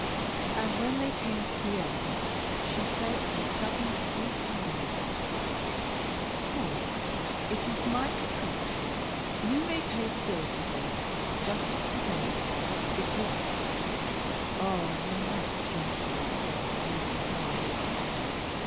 And when they came to the end she said with sudden, tender sweetness: "Paul it is my caprice you may pay the bill to day just for to day because Ah! you must guess, my Paul! the reason why!"